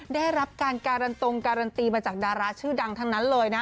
ได้รับการการันตรงการันตีมาจากดาราชื่อดังทั้งนั้นเลยนะ